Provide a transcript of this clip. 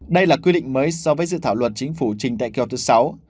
đây là quy định mới so với dự thảo luật chính phủ trình tại kế hoạch thứ sáu